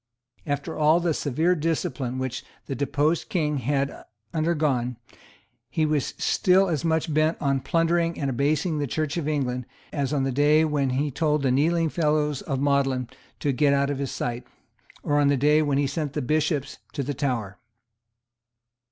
After all the severe discipline which the deposed King had undergone, he was still as much bent on plundering and abasing the Church of England as on the day when he told the kneeling fellows of Magdalene to get out of his sight, or on the day when he sent the Bishops to the Tower.